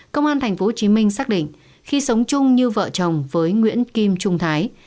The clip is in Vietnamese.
công an tp hcm xác định khi sống chung như vợ chồng với nguyễn kim trung thái